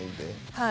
はい。